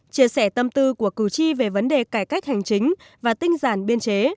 chia sẻ tâm tư của cử tri về vấn đề cải cách hành chính và tinh giản biên chế